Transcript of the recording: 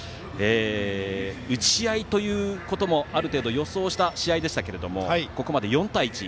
打ち合いということもある程度予想した試合でしたがここまで４対１。